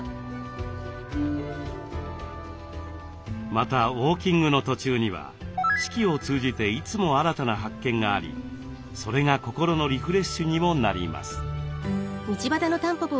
またウォーキングの途中には四季を通じていつも新たな発見がありそれが心のリフレッシュにもなります。